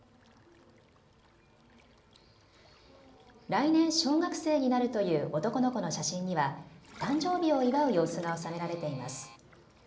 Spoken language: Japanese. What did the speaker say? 来年、小学生になるという男の子の写真には誕生日を祝う様子が収められています。